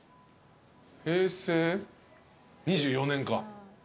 平成２４年か。